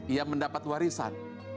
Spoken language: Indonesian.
ia mendapat warisan